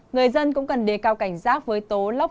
người dân cũng cần đề cao cảnh giác với tố lốc